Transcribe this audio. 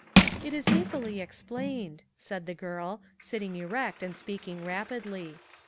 "It is easily explained, " said the girl, sit ting erect and speaking rapidly.